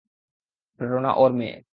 প্রেরণা ওর মেয়ে।